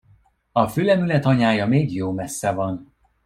A fülemüle tanyája még jó messze van.